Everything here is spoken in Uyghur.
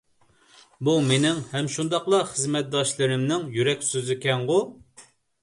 بۇ مېنىڭ ھەم شۇنداقلا خىزمەتداشلىرىمنىڭ يۈرەك سۆزىكەنغۇ!